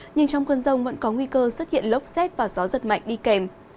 nhưng trong cơn rông vẫn có nguy cơ xuất hiện lốc xét và gió giật mạnh đi kèm